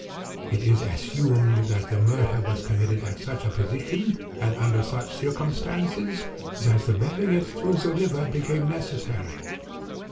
It is assumed that the murder was committed at such a position, and under such circumstances, that the bearing it to the river became necessary.